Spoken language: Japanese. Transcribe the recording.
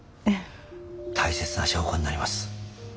大切な証拠になります。